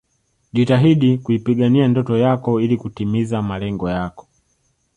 Jitahidi kuipigania ndoto yako ili kutimiza malengo yako